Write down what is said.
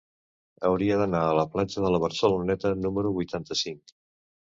Hauria d'anar a la platja de la Barceloneta número vuitanta-cinc.